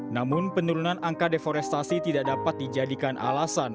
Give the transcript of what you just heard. namun penurunan angka deforestasi tidak dapat dijadikan alasan